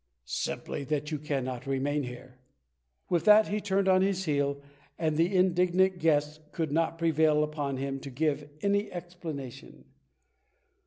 "Simply that you cannot remain here." With that he turned on his heel, and the indignant guest could not prevail upon him to give any explanation.